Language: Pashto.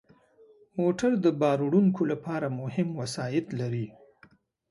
موټر د بار وړونکو لپاره مهم وسایط لري.